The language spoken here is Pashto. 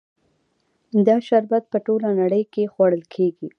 دا شربت په ټوله نړۍ کې خوړل کیږي.